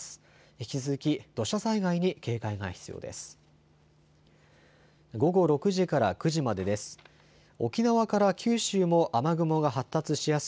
引き続き土砂災害に警戒が必要です。